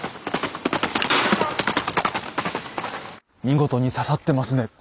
見事に刺さってますね。